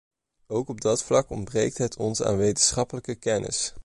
Ook op dat vlak ontbreekt het ons aan wetenschappelijke kennis.